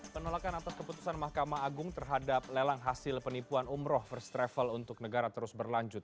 penolakan atas keputusan mahkamah agung terhadap lelang hasil penipuan umroh first travel untuk negara terus berlanjut